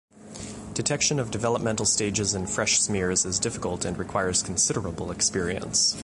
Detection of developmental stages in fresh smears is difficult and requires considerable experience.